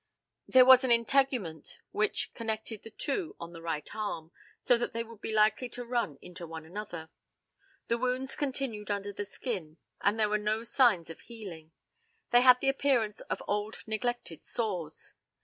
There was an integument which connected the two on the right arm, so that they would be likely to run into one another. The wounds continued under the skin, and there were no signs of healing. They had the appearance of old neglected sores.